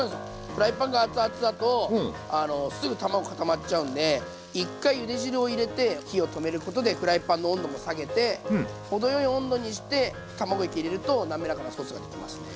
フライパンが熱々だとすぐ卵固まっちゃうんで１回ゆで汁を入れて火を止めることでフライパンの温度も下げて程よい温度にして卵液入れるとなめらかなソースができますね。